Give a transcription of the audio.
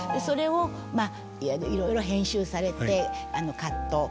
それをいろいろ編集されてカット